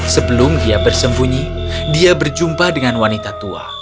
sebelum dia bersembunyi dia berjumpa dengan wanita tua